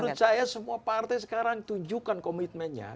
menurut saya semua partai sekarang tunjukkan komitmennya